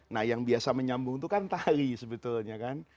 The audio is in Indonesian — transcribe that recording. nah yang biasa menyambung itu kan tali sebetulnya kan